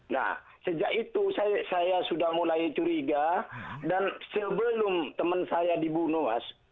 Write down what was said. nah sejak itu saya sudah mulai curiga dan sebelum teman saya dibunuh mas